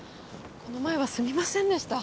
この前はすみませんでした。